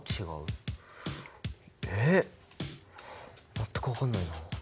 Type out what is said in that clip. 全く分かんないな。